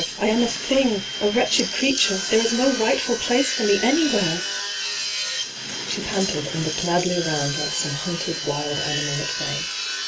I am a thing — a wretched creature ; there is no rightful place for me anywhere I' She panted, and looked madly around like some hunted wild animal at bay.